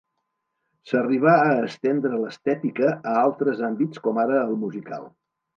S'arribà a estendre l'estètica a altres àmbits com ara el musical.